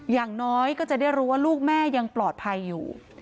อย่างน้อยก็จะได้รู้ว่าลูกแม่ยังปลอดภัยอยู่